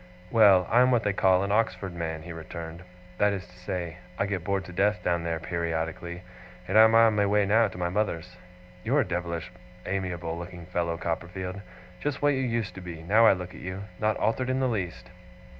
'Well, I am what they call an Oxford man,' he returned; 'that is to say, I get bored to death down there, periodically and I am on my way now to my mother's. You're a devilish amiable looking fellow, Copperfield. Just what you used to be, now I look at you! Not altered in the least!